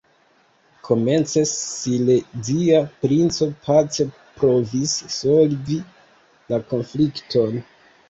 Komence silezia princo pace provis solvi la konflikton.